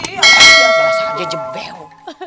iya biasa aja jebeu